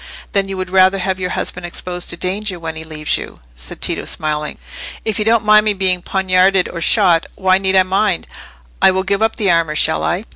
"Then you would rather have your husband exposed to danger, when he leaves you?" said Tito, smiling. "If you don't mind my being poniarded or shot, why need I mind? I will give up the armour—shall I?"